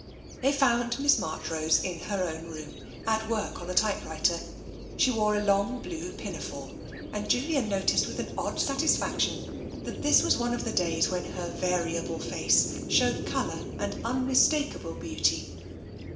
They found Miss Marchrose in her own room, at work on the typewriter. She wore a long blue pina fore, and Julian noticed with an odd satisfaction that 52 TENSION this was one of the days when her variable face showed colour and unmistakable beauty.